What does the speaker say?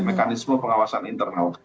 mekanisme pengawasan internal